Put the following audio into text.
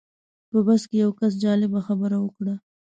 په بس کې یو کس جالبه خبره وکړه.